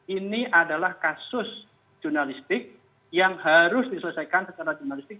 ini adalah kasus jurnalistik yang harus diselesaikan secara jurnalistik